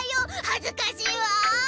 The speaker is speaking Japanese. はずかしいわ！